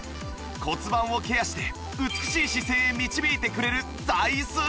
骨盤をケアして美しい姿勢へ導いてくれる座椅子